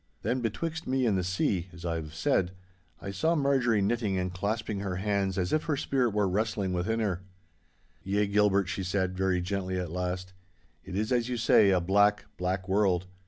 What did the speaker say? Then betwixt me and the sea (as I have said) I saw Marjorie knitting and clasping her hands as if her spirit were wrestling within her. 'Yea, Gilbert,' she said, very gently at last, 'it is as you say, a black, black world.